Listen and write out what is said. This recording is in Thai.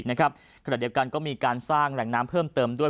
ขณะเดียวกันก็มีการสร้างแหล่งน้ำเพิ่มเติมด้วย